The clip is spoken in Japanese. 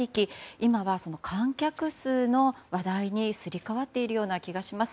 今は観客数の話題にすり替わっているような気がします。